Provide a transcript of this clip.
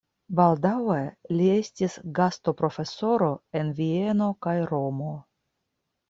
Baldaŭe li estis gastoprofesoro en Vieno kaj Romo.